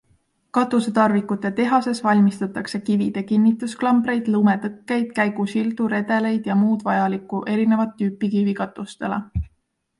Katusetarvikute tehases valmistatakse kivide kinnitusklambreid, lumetõkkeid, käigusildu, redeleid ja muud vajalikku erinevat tüüpi kivikatustele.